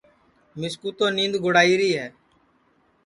مِسکُو تو نید گُڑائیری ہے